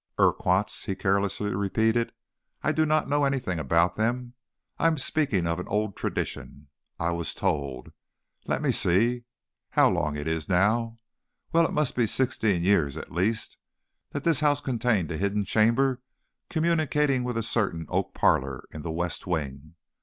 "Urquharts!" he carelessly repeated. "I do not know anything about them. I am speaking of an old tradition. I was told let me see how long it is now well, it must be sixteen years at least that this house contained a hidden chamber communicating with a certain oak parlor in the west wing.